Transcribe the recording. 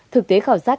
thực tế khảo sát